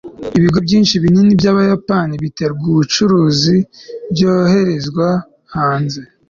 ibigo byinshi binini byabayapani biterwa nibicuruzwa byoherezwa hanze